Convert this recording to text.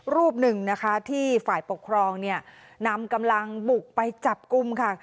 รูปหนึ่งนะคะที่ฝ่ายปกครองเนี่ยนำกำลังบุกไปจับกลุ่มค่ะ